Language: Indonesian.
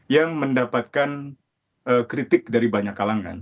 yang mendapatkan kritik dari banyak kalangan